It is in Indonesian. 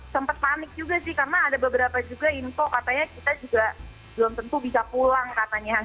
sempat panik juga sih karena ada beberapa juga info katanya kita juga belum tentu bisa pulang katanya